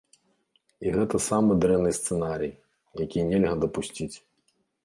І гэта самы дрэнны сцэнарый, які нельга дапусціць.